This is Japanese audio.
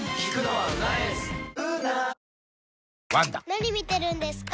・何見てるんですか？